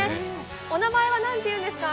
お名前は何ていうんですか？